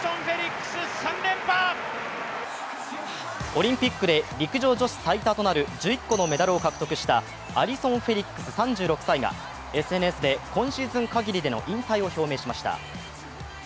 オリンピックで陸上女子最多となる１１個のメダルを獲得したアリソン・フェリックス３６歳がＳＮＳで今シーズン限りでの引退を表明しました。